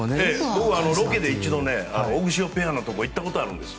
僕はロケで一度オグシオペアのところに行ったことがあるんです。